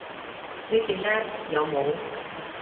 呢件呢？有帽